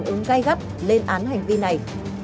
phản ứng gai gấp lên án hành vi này